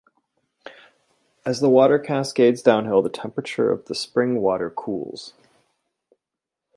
As the water cascades downhill the temperature of the spring water cools.